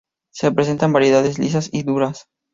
Se presenta en variedades lisas y duras.